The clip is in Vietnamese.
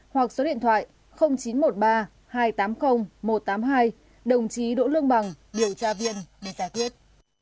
hoặc số điện thoại chín trăm một mươi ba hai trăm tám mươi một trăm tám mươi hai đồng chí đỗ lương bằng điều tra viên để giải quyết